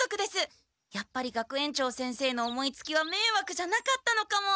やっぱり学園長先生の思いつきはめいわくじゃなかったのかも。